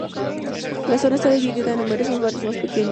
La zona está dividida en numerosos barrios más pequeños.